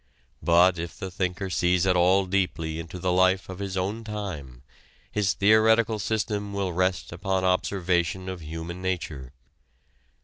But if the thinker sees at all deeply into the life of his own time, his theoretical system will rest upon observation of human nature.